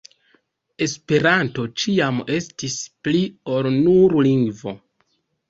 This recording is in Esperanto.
Esperanto ĉiam estis pli ol nur lingvo.